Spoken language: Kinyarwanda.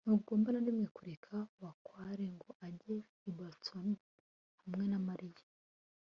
ntugomba na rimwe kureka bakware ngo ajye i boston hamwe na mariya